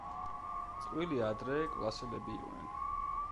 წყვილი ადრე კლასელები იყვნენ.